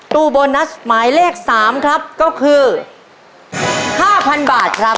ตู้โบนัสหมายเลข๓ครับก็คือ๕๐๐๐บาทครับ